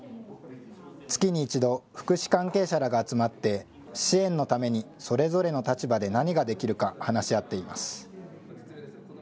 月に１度、福祉関係者らが集まって、支援のために、それぞれの立場で何ができるか、話し合っています。